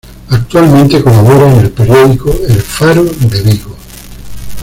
Actualmente, colabora en el periódico "El Faro de Vigo".